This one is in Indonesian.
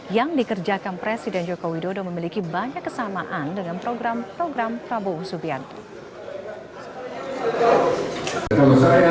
yang dikerjakan presiden joko widodo memiliki banyak kesamaan dengan program program prabowo subianto